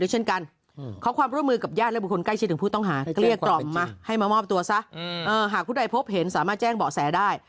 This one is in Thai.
หากยุ่งใดพบเห็นสามารถแจ้งเบาะแสได้